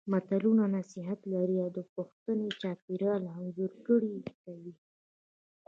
متلونه نصيحت لري او د پښتني چاپېریال انځورګري کوي